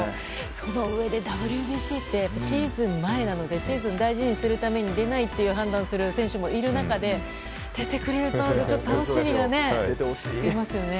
そのうえでＷＢＣってシーズン前なのでシーズンを大事にするために出ないと判断する選手もいる中で、出てくれると楽しみが増えますよね。